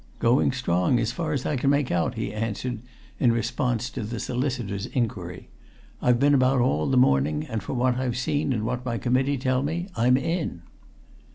"Going strong, as far as I can make out," he answered, in response to the solicitor's inquiry. "I've been about all the morning, and from what I've seen and what my Committee tell me, I'm in!"